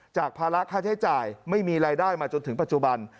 ภาระค่าใช้จ่ายไม่มีรายได้มาจนถึงปัจจุบัน